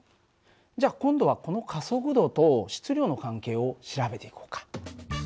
じゃ今度はこの加速度と質量の関係を調べていこうか。